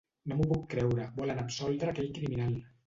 No m'ho puc creure: volen absoldre aquell criminal.